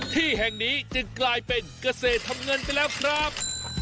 ที่แห่งนี้จึงกลายเป็นเกษตรทำเงินไปแล้วครับ